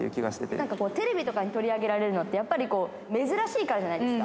なんかこうテレビとかに取り上げられるのって、やっぱり珍しいからじゃないですか。